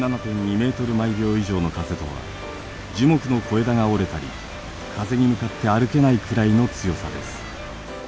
メートル毎秒以上の風とは樹木の小枝が折れたり風に向かって歩けないくらいの強さです。